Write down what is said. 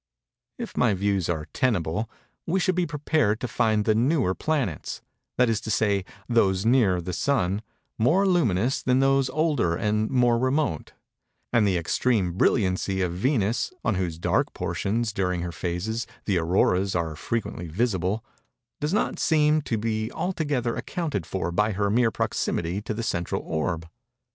If my views are tenable, we should be prepared to find the newer planets—that is to say, those nearer the Sun—more luminous than those older and more remote:—and the extreme brilliancy of Venus (on whose dark portions, during her phases, the Auroras are frequently visible) does not seem to be altogether accounted for by her mere proximity to the central orb.